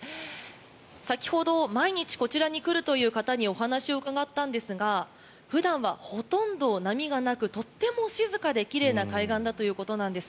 先ほど毎日こちらに来るという方にお話を伺ったんですが普段はほとんど波がなくとても静かで奇麗な海岸だということなんです。